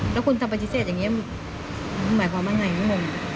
แล้วคุณทำปฏิเสธอย่างนี้หมายความยังไงไม่มอง